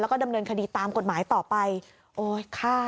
แล้วก็ดำเนินคดีตามกฎหมายต่อไปโอ้ยฆ่า